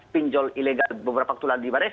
pinjol ilegal beberapa ketulah di baris